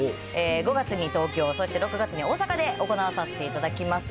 ５月に東京、そして６月に大阪で行わさせていただきます。